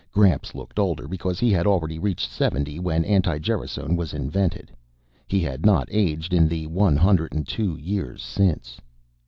Gramps looked older because he had already reached 70 when anti gerasone was invented. He had not aged in the 102 years since.